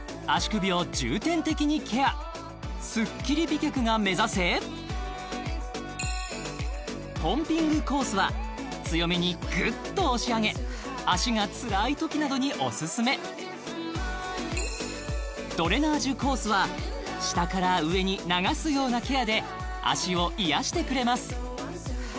スッキリ美脚が目指せポンピングコースは強めにグッと押し上げ脚がつらい時などにオススメドレナージュコースは下から上に流すようなケアで脚を癒やしてくれます